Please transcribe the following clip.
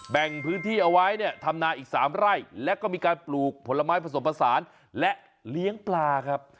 แบ่งพื้นที่เอาไว้เนี่ยทำนาอีก๓ไร่และก็มีการปลูกผลไม้ผสมผสานและเลี้ยงปลาครับ